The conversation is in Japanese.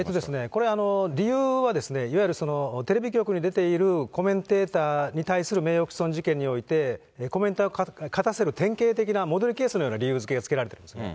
これ、理由はいわゆるテレビ局に出ているコメンテーターに対する名誉毀損事件において、コメンテーターを勝たせる典型的なモデルケースのような理由付けが付けられてるんですね。